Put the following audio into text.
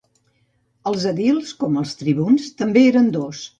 Els edils, com els tribuns, també eren dos.